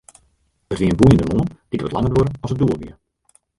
It wie in boeiende moarn, dy't wat langer duorre as it doel wie.